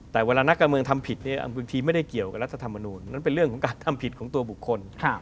แต่เวลานักการเมืองทำผิดเนี่ยบางทีไม่ได้เกี่ยวกับรัฐธรรมนูลนั้นเป็นเรื่องของการทำผิดของตัวบุคคล